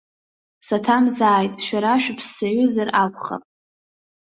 Саҭамзааит, шәара шәыԥссаҩызар акәхап?